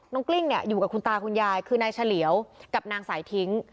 กลิ้งเนี่ยอยู่กับคุณตาคุณยายคือนายเฉลียวกับนางสายทิ้ง